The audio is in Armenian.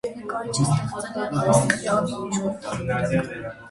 Նկարիչը ստեղծել է այս կտավի երկու տարբերակ։